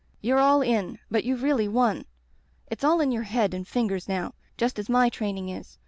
* You're all in, but youVe really won. It's all in your head and fingers now, just as my training is.